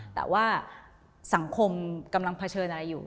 แต่ว่าสังคมกำลังเผชิญอะไรอยู่